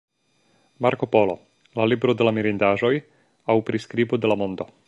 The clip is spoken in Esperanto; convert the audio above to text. Marko Polo: La libro de la mirindaĵoj aŭ priskribo de la mondo.